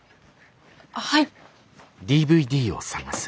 はい。